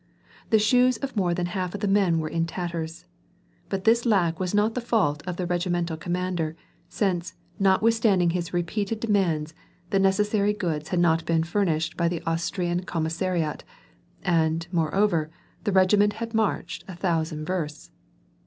The shoes of more than half of the men were in tatters. But this lack was not the fault of the regimental commander, since, notwith standing his repeated demands, the necessary goods had not been furnished by the Austrian commissariat, and, moreover, the regiment had marched a thousand versts.